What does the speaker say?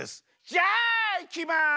じゃあいきます。